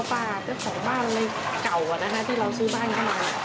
เพราะว่าของบ้านเก่าอ่ะนะครับถ้าเราซื้อบ้านเข้ามา